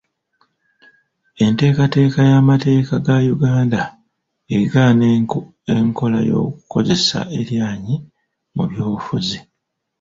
Enteekateeka y'amateeka ga Uganda egaana enkola y'okukozesa eryanyi mu by'obufuzi.